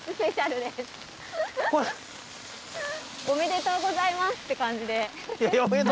おめでとうございますって感じ